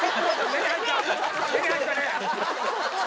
目に入ったね。